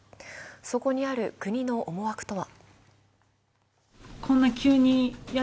そこにある国の思惑とは。